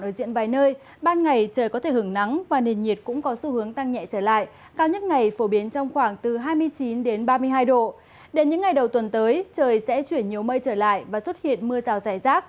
đến những ngày đầu tuần tới trời sẽ chuyển nhiều mây trở lại và xuất hiện mưa rào rải rác